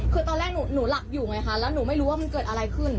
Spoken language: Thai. คือตอนแรกหนูหลับอยู่ไงคะแล้วหนูไม่รู้ว่ามันเกิดอะไรขึ้น